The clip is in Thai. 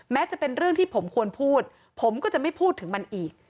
จะเป็นเรื่องที่ผมควรพูดผมก็จะไม่พูดถึงมันอีก